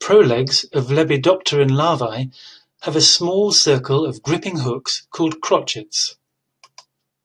Prolegs of lepidopteran larvae have a small circle of gripping hooks, called "crochets".